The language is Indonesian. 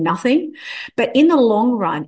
tetapi dalam jangka panjang